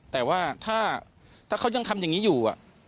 แต่ว่าถ้าเขายังทำอย่างนี้อยู่